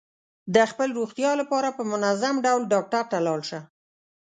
د خپل روغتیا لپاره په منظم ډول ډاکټر ته لاړ شه.